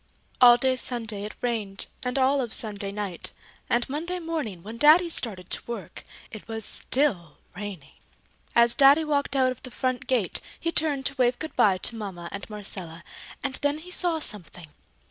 All day Sunday it rained and all of Sunday night, and Monday morning when Daddy started to work it was still raining. As Daddy walked out of the front gate, he turned to wave good bye to Mama and Marcella and then he saw something.